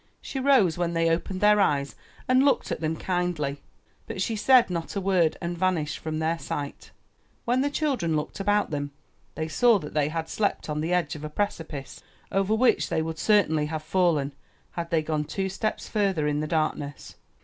She rose when they opened their eyes, and looked at them kindly, but she said not a word and vanished from their sight. When the children looked about them, they saw that they had slept on the edge of a precipice, over which they would certainly have fallen, had they gone two steps farther in the darkness.